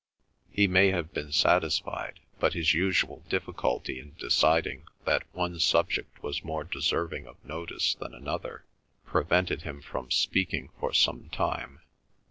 He may have been satisfied, but his usual difficulty in deciding that one subject was more deserving of notice than another prevented him from speaking for some time.